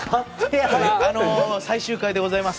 最終回でございます。